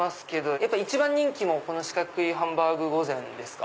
やっぱ一番人気四角いハンバーグ御膳ですか？